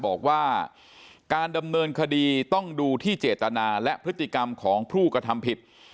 บอกว่าการดำเนินคดีต้องดูที่เจตนาและพฤติกรรมของผู้กระทำผิด